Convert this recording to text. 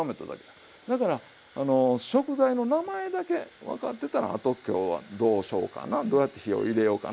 だから食材の名前だけ分かってたらあと今日はどうしようかなどうやって火を入れようかな